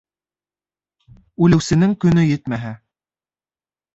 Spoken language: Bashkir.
Үлеүсенең көнө етмәһә